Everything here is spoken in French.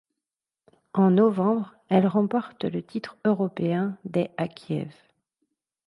En novembre, elle remporte le titre européen des à Kiev.